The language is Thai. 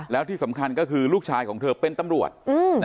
แล้วที่สำคัญก็คือลูกชายของเธอเป็นตำรวจ